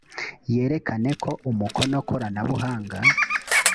yerekane ko umukono koranabuhanga